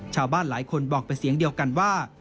ชาวบ้านหลายคนบอกเป็นเสียงเดียวกันว่า